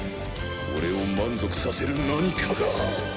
俺を満足させる何かが！